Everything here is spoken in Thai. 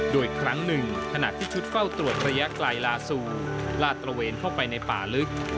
โดยครั้งหนึ่งขณะที่ชุดเฝ้าตรวจระยะไกลลาซูลาดตระเวนเข้าไปในป่าลึก